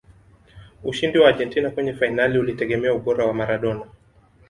ushindi wa argentina kwenye fainali ulitegemea ubora wa maradona